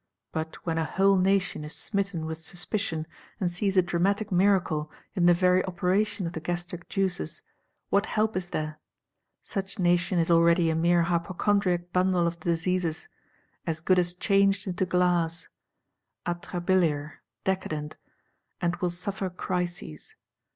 But when a whole Nation is smitten with Suspicion, and sees a dramatic miracle in the very operation of the gastric juices, what help is there? Such Nation is already a mere hypochondriac bundle of diseases; as good as changed into glass; atrabiliar, decadent; and will suffer crises.